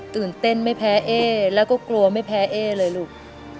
ตื่นเต้นไม่แพ้เอ๊แล้วก็กลัวไม่แพ้เอ๊เลยลูก